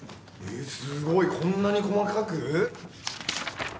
すごいこんなに細かく？